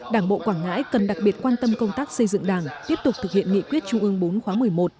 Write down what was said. đảng bộ quảng ngãi cần đặc biệt quan tâm công tác xây dựng đảng tiếp tục thực hiện nghị quyết trung ương bốn khóa một mươi một